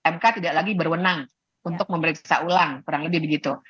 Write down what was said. mk tidak lagi berwenang untuk memeriksa ulang kurang lebih begitu